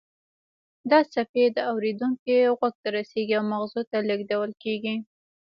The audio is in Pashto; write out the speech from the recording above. دا څپې د اوریدونکي غوږ ته رسیږي او مغزو ته لیږدول کیږي